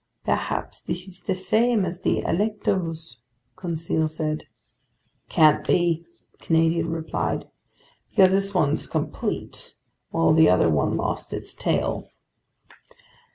"Perhaps this is the same as the Alecto's," Conseil said. "Can't be," the Canadian replied, "because this one's complete while the other one lost its tail!"